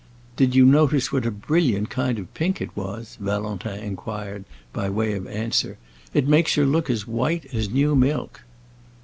"Did you notice what a brilliant kind of pink it was?" Valentin inquired, by way of answer. "It makes her look as white as new milk."